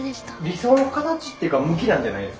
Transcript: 理想の形っていうか向きなんじゃないですか？